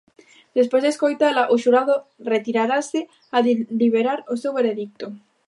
Despois de escoitala, o xurado retirarase a deliberar o seu veredicto.